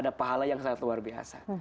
dan ada pahala yang sangat luar biasa